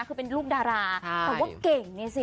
คือเป็นลูกดาราแต่ว่าเก่งเนี่ยสิ